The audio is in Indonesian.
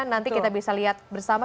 nanti kita bisa lihat bersama